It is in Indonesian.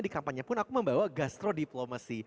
di kampanye pun aku membawa gastro diplomacy